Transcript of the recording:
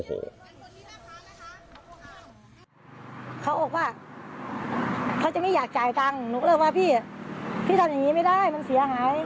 เขาบอกว่าเขาจะไม่อยากจ่ายตังค์หนูก็เลยว่าพี่พี่ทำอย่างนี้ไม่ได้มันเสียหาย